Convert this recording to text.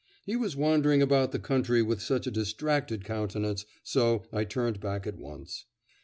He was wandering about the country with such a distracted countenance. So I turned back at once.